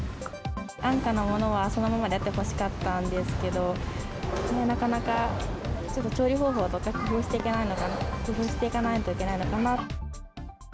安価なものはそのままであってほしかったんですけど、なかなかちょっと調理方法とか、工夫していかないといけないのかな。